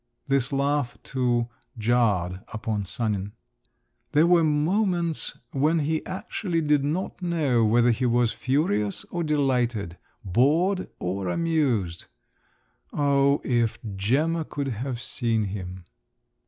This laugh, too, jarred upon Sanin. There were moments when he actually did not know whether he was furious or delighted, bored or amused. Oh, if Gemma could have seen him!